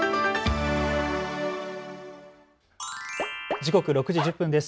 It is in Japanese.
時刻６時１０分です。